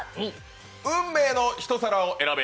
「運命の一皿を選べ！